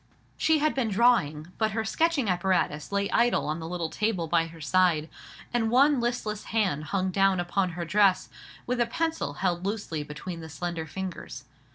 She had been drawing; but her sketching apparatus lay idle on the little table by her side, and one listless hand hung down upon her dress, with a pencil held loosely between the slender fingers.